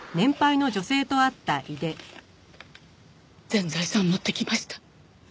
全財産持ってきました。